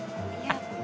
いや。